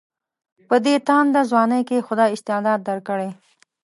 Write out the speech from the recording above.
په دې تانده ځوانۍ کې خدای استعداد درکړی.